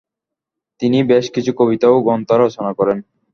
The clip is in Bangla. তিনি বেশ কিছু কবিতা ও গ্রন্থ রচনা করেন।